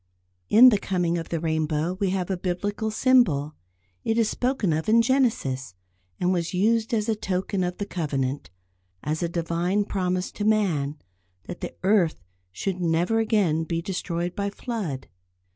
In the coming of the rainbow we have a Biblical symbol. It is spoken of in Genesis, and was used as a token of the Covenant; as a Divine promise to man, that the earth should never again be destroyed by flood.